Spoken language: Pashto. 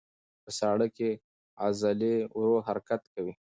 په ساړه کې عضلې ورو حرکت کوي.